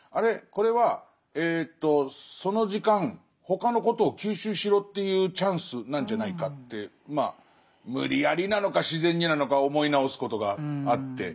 これはその時間他のことを吸収しろっていうチャンスなんじゃないかってまあ無理やりなのか自然になのか思い直すことがあって。